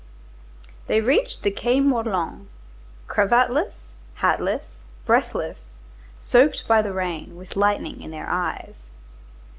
They reached the Quai Morland. Cravatless, hatless, breathless, soaked by the rain, with lightning in their eyes.